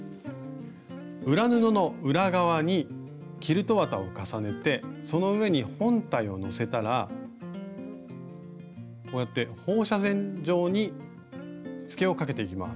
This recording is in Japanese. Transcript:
裏布の裏側にキルト綿を重ねてその上に本体をのせたらこうやって放射線状にしつけをかけていきます。